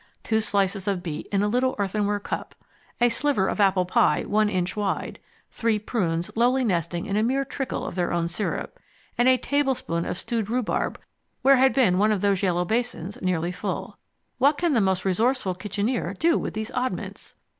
Two slices of beet in a little earthenware cup, a sliver of apple pie one inch wide, three prunes lowly nestling in a mere trickle of their own syrup, and a tablespoonful of stewed rhubarb where had been one of those yellow basins nearly full what can the most resourceful kitcheneer do with these oddments?